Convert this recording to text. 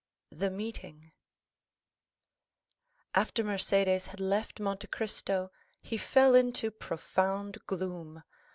The Meeting After Mercédès had left Monte Cristo, he fell into profound gloom.